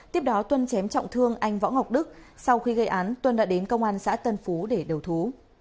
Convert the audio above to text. tiếp đó tuân chém trọng thương anh võ ngọc đức sau khi gây án tuân đã đến công an xã tân phú để đầu thú